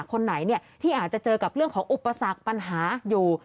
คนไหนเนี่ยที่อาจจะเจอกับเรื่องของอุปสรรคปัญหาอยู่